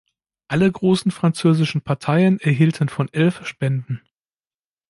Alle großen französischen Parteien erhielten von Elf Spenden.